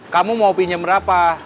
kamu mau pinjem berapa